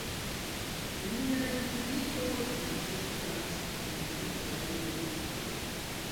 Ilia religio konsistas el multaj ritoj.